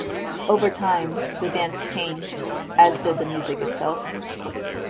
Over time, the dance changed, as did the music itself.